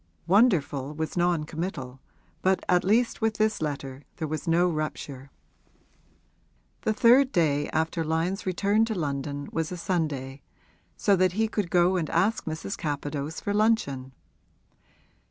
'Wonderful' was non committal, but at least with this letter there was no rupture. The third day after Lyon's return to London was a Sunday, so that he could go and ask Mrs. Capadose for luncheon.